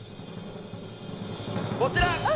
こちら。